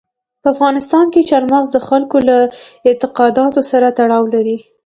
په افغانستان کې چار مغز د خلکو له اعتقاداتو سره تړاو لري.